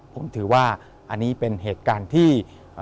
ผมถือว่าอันนี้เป็นเหตุการณ์ที่